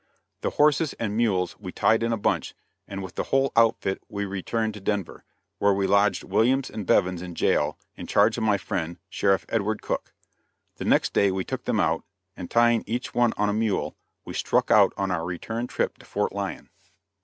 The horses and mules we tied in a bunch, and with the whole outfit we returned to Denver, where we lodged Williams and Bevins in jail, in charge of my friend, Sheriff Edward Cook. The next day we took them out, and, tying each one on a mule, we struck out on our return trip to Fort Lyon.